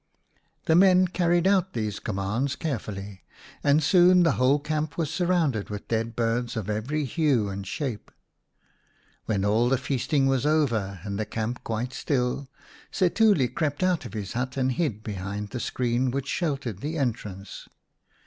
The men carried out these commands care fully, and soon the whole camp was surrounded with dead birds of every hue and shape. When 11 Setuli ; i all the feasting was over and the camp quite still, Setuli crept out of his hut and hid behind the screen which sheltered the entrance.